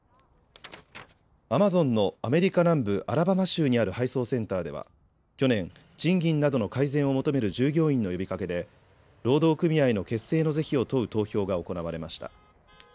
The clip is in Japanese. アマゾンのアメリカ南部アラバマ州にある配送センターでは、去年、賃金などの改善を求める従業員の呼びかけで、労働組合の結成の是非を問う投票が行われました。